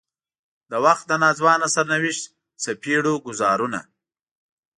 د وخت د ناځوانه سرنوشت څپېړو ګوزارونه.